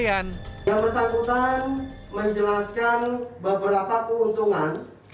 yang bersangkutan menjelaskan beberapa keuntungan